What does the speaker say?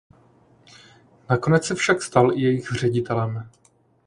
Nakonec se však stal i jejich ředitelem.